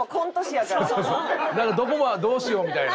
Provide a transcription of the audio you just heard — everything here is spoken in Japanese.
だからどこまでどうしようみたいな。